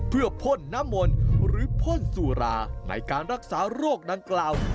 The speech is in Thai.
เพื่อพ่นน้ำมนต์หรือพ่นสุราในการรักษาโรคดังกล่าว